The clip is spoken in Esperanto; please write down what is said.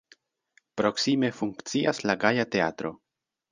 Proksime funkcias la Gaja Teatro.